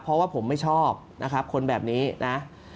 เพราะว่าผมไม่ชอบคนแบบนี้นะ